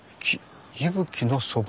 伊吹のそば。